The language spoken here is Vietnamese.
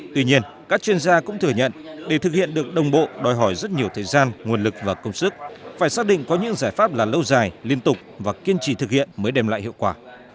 tuy nhiên các chuyên gia cũng thừa nhận để thực hiện được đồng bộ đòi hỏi rất nhiều thời gian nguồn lực và công sức phải xác định có những giải pháp là lâu dài liên tục và kiên trì thực hiện mới đem lại hiệu quả